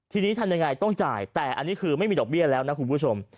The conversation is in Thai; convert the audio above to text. ทีนี้ทำยังไงต้องจ่ายแต่อันนี้คือไม่มีดอกเบี้ยแล้วนะคุณผู้ชม